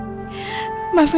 aku gak bisa tunjukin